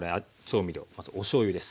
まずおしょうゆです。